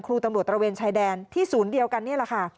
ครูตำรวจตระเวนชายแดนที่ศูนย์เดียวกันนี่แหละค่ะ